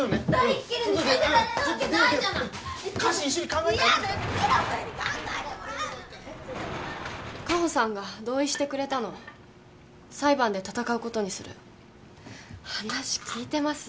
ヒロ君に考えてもらう果歩さんが同意してくれたの裁判で戦うことにする話聞いてます？